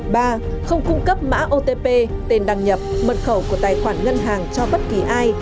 ba không cung cấp mã otp tên đăng nhập mật khẩu của tài khoản ngân hàng cho bất kỳ ai